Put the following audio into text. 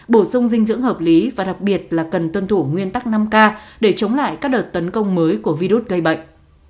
bổ sung dinh dưỡng hợp lý và đặc biệt là cần tuân thủ nguyên tắc năm k để chống lại các đợt tấn công mới của virus gây bệnh